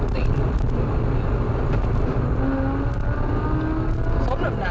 ส้มน้ำหนายังไงวะ